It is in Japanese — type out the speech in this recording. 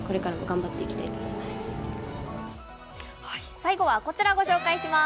最後はこちらをご紹介します。